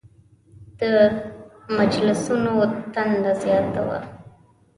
د مجلسونو تنده زیاته وه.